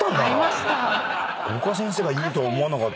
五箇先生が言うとは思わなかったですね。